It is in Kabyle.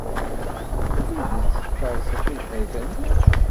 D tidet tferseḍ tibḥirt-nni?